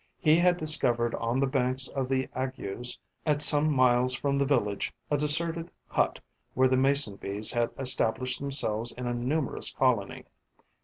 He had discovered on the banks of the Aygues, at some miles from the village, a deserted hut where the Mason bees had established themselves in a numerous colony.